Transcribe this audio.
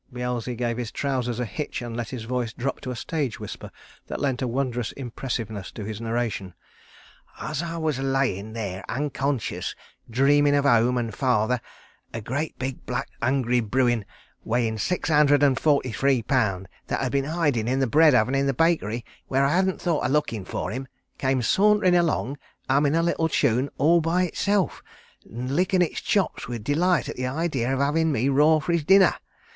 Beelzy gave his trousers a hitch and let his voice drop to a stage whisper that lent a wondrous impressiveness to his narration. "As I was a layin' there unconscious, dreamin' of home and father, a great big black hungry bruin weighin' six hundred and forty three pounds, that had been hidin' in the bread oven in the bakery, where I hadn't thought of lookin' for him, came saunterin' along, hummin' a little tune all by himself, and lickin' his chops with delight at the idee of havin' me raw for his dinner.